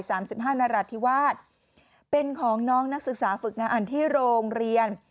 สามสิบห้านรัฐธิวาสเป็นของน้องนักศึกษาฝึกงานอันที่โรงเรียน